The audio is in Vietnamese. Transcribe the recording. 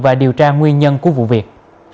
và điều tra nguyên nhân của vụ việc